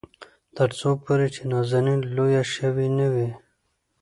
تر څو پورې چې نازنين لويه شوې نه وي.